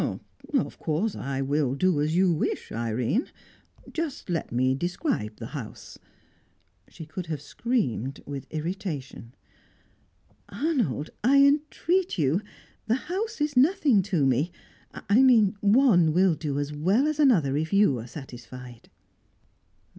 "Of course I will do as you wish, Irene. Just let me describe the house " She could have screamed with irritation. "Arnold, I entreat you! The house is nothing to me. I mean, one will do as well as another, if you are satisfied."